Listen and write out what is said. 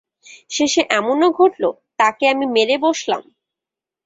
শেষে এমনও ঘটল, তাকে আমি মেরে বসলাম।